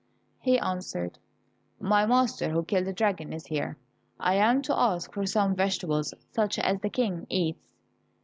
He answered, "My master, who killed the dragon, is here, I am to ask for some vegetables, such as the King eats."